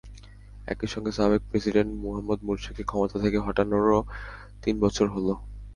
একই সঙ্গে সাবেক প্রেসিডেন্ট মোহাম্মদ মুরসিকে ক্ষমতা থেকে হটানোরও তিন বছর হলো।